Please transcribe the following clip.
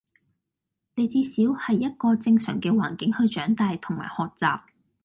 你至少係一個正常嘅環境去長大同埋學習